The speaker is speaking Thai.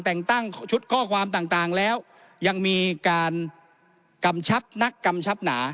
แต่งตั้งชุดข้อความต่างแล้วยังมีการกำชับนักกำชับหนา